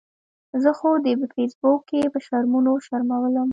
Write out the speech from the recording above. زه خو دې په فیسبوک کې په شرمونو وشرمؤلم